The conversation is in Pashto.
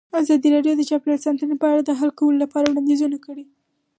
ازادي راډیو د چاپیریال ساتنه په اړه د حل کولو لپاره وړاندیزونه کړي.